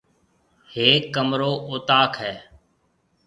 ھيَََڪ ڪمر اوطاق ھيََََ